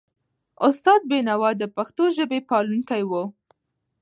استاد بینوا د پښتو ژبي پالونکی و.